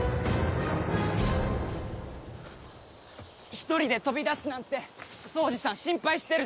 一人で飛び出すなんてソウジさん心配してるぞ。